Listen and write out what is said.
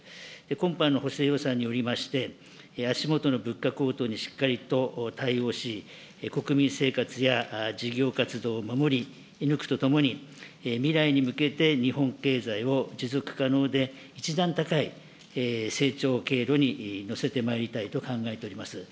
今般の補正予算によりまして、足下の物価高騰にしっかりと対応し、国民生活や事業活動を守りぬくとともに、未来に向けて日本経済を持続可能で、一段高い成長経路にのせてまいりたいと考えております。